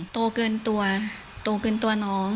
โตเกินตัวโตเกินตัวน้อง